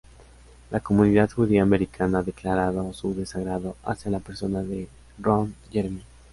La comunidad judía americana ha declarado su desagrado hacia la persona de Ron Jeremy.